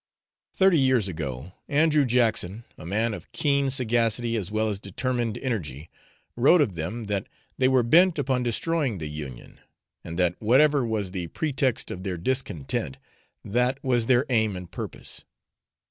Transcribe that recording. Thirty years ago Andrew Jackson a man of keen sagacity as well as determined energy wrote of them that they were bent upon destroying the Union, and that, whatever was the pretext of their discontent, that was their aim and purpose.